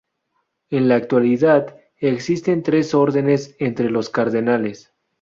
En la actualidad, existen tres órdenes entre los cardenales.